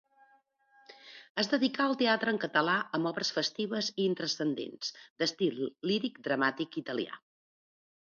Es dedicà al teatre en català amb obres festives i intranscendents d'estil líric-dramàtic italià.